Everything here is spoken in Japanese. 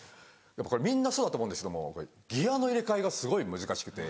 みんなそうだと思うんですけどもギアの入れ替えがすごい難しくて。